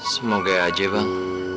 semoga aja bang